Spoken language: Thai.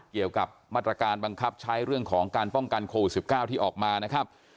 เกี่ยวกับมาตรการบังคับใช้เรื่องของการป้องกันโควิด๑๙ที่ออกมานะครับ